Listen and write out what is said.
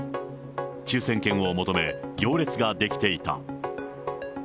抽せん券を求め、行列が出来ていた。